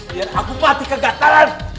biar aku mati kegatalan